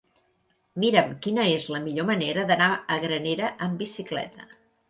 Mira'm quina és la millor manera d'anar a Granera amb bicicleta.